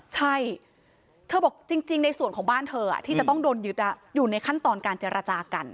ใช่เธอบอกจริงในส่วนของบ้านเธอที่จะต้องโดนยึดอยู่ในขั้นตอนการเจรจากัน